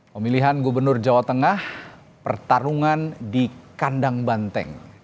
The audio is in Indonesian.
pemilihan gubernur jawa tengah pertarungan di kandang banteng